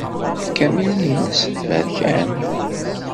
Akamyun-nnes d aberkan.